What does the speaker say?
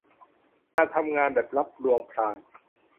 การทำงานแบบลับลวงพราง